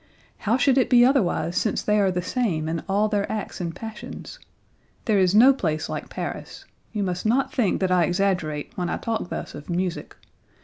How should it be otherwise since they are the same in all their acts and passions? There is no place like Paris. You must not think that I exaggerate when I talk thus of music.